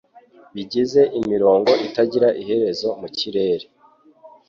bigize imirongo itagira iherezo mu kirere